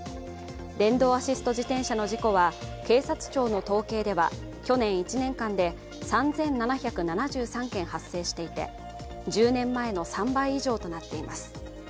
電動アシスト自転車の事故は警察庁の統計では去年１年間で３７７３件発生していて１０年前の３倍以上となっています。